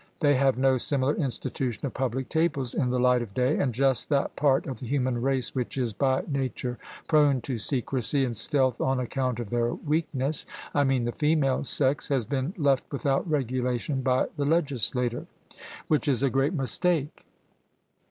They have no similar institution of public tables in the light of day, and just that part of the human race which is by nature prone to secrecy and stealth on account of their weakness I mean the female sex has been left without regulation by the legislator, which is a great mistake.